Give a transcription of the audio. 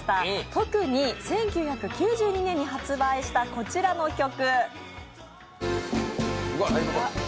特に１９９２年に発売したこちらの曲。